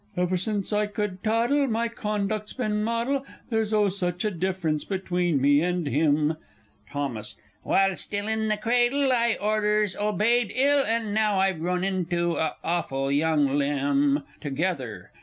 _ Ever since I could toddle, my conduct's been model, There's, oh, such a difference between me and him! Thos. While still in the cradle, I orders obeyed ill, And now I've grown into a awful young limb! { he's } _Together.